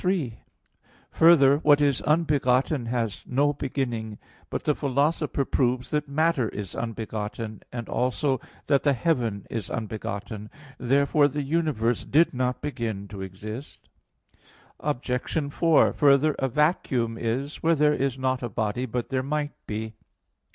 3: Further, what is unbegotten has no beginning. But the Philosopher (Phys. i, text 82) proves that matter is unbegotten, and also (De Coelo et Mundo i, text 20) that the heaven is unbegotten. Therefore the universe did not begin to exist. Obj. 4: Further, a vacuum is where there is not a body, but there might be.